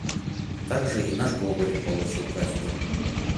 Также и наш Гоголь получил кафедру.